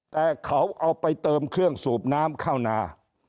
แต่เขาเอาไปเติมเครื่องสูบน้ำเข้านา